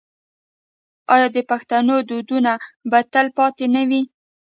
آیا د پښتنو دودونه به تل پاتې نه وي؟